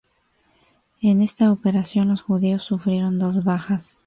En esta operación los judíos sufrieron dos bajas.